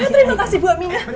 terima kasih bu aminah